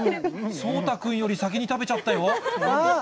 そうたくんより先に食べちゃったよ。